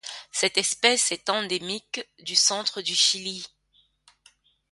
Cette espèce est endémique du centre du Chili.